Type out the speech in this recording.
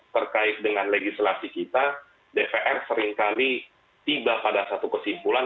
terkait dengan legislasi kita dpr seringkali tiba pada satu kesimpulan